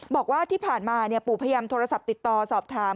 บอกว่าที่ผ่านมาปู่พยายามโทรศัพท์ติดต่อสอบถาม